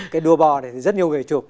cái đua bò này thì rất nhiều người chụp